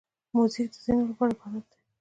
موزیک د ځینو لپاره عبادت دی.